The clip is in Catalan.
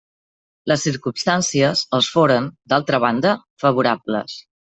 Les circumstàncies els foren, d'altra banda, favorables.